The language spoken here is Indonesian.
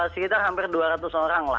sekitar hampir dua ratus orang lah